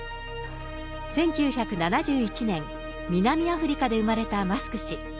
１９７１年、南アフリカで生まれたマスク氏。